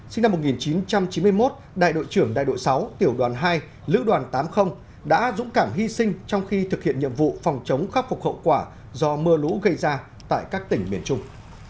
sinh năm một nghìn chín trăm chín mươi một đại đội trưởng đại đội sáu tiểu đoàn hai lữ đoàn tám mươi đã dũng cảm hy sinh trong khi thực hiện nhiệm vụ phòng chống khắc phục hậu quả do mưa lũ gây ra tại các tỉnh miền trung